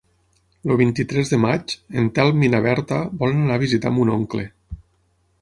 El vint-i-tres de maig en Telm i na Berta volen anar a visitar mon oncle.